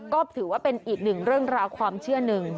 ก็ถือว่าเป็นอีกหนึ่งเรื่องราวความเชื่อหนึ่ง